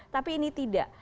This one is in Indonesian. tapi ini tidak